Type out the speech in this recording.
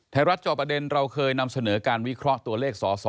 จอประเด็นเราเคยนำเสนอการวิเคราะห์ตัวเลขสอสอ